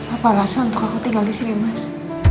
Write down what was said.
apa rasa untuk aku tinggal disini mas